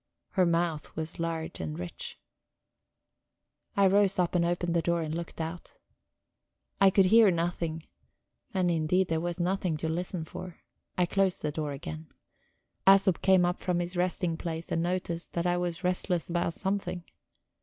Her mouth was large and rich. I rose up and opened the door and looked out. I could hear nothing, and indeed there was nothing to listen for. I closed the door again; Æsop came up from his resting place and noticed that I was restless about something.